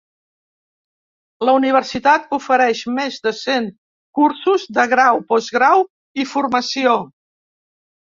La universitat ofereix més de cent cursos de grau, postgrau i formació.